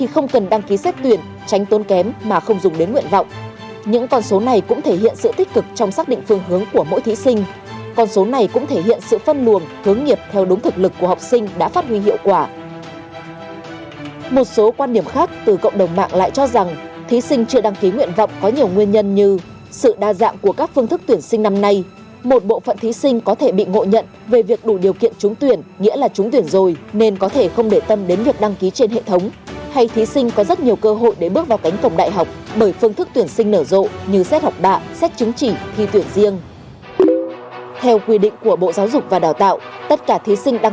không đăng ký xét tuyển ồ ạt những thí sinh chọn cho mình những con đường khác những ngã rẽ khác để xác định rõ mục tiêu nghề nghiệp của bản thân